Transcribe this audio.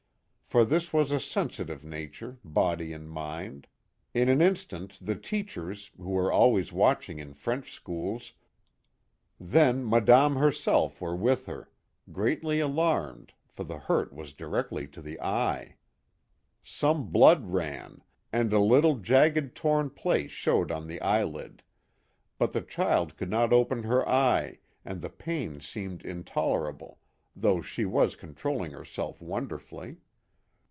'For this was a sensitive nature, body and mind. In an instant the teachers, who are always watching in French schools, then Madame her 112 "MISSMILLY. self, were with her ; greatly alarmed, for the hurt was directly to the eye. Some blood ran, and a little jagged torn place showed on the eyelid ; but the child could npt open her eye and the pain seemed intolerable, though she was controlling herself wonderfully.